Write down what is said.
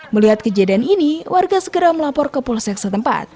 melihat kejadian ini warga segera melapor ke polsek setempat